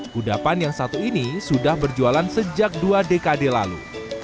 kudapan yang satu ini sudah berjualan sejak dua dekade lalu